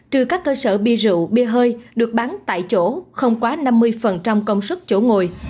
trừ các cơ sở bia rượu bia hơi được bán tại chỗ không quá năm mươi công suất chỗ ngồi